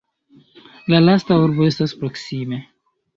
La lasta urbo estas proksime.